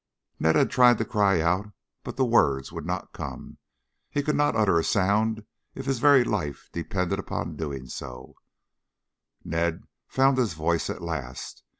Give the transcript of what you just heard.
Ned had tried to cry out, but the words would not come. He could not utter a sound if his very life depended upon so doing. Ned found his voice at last.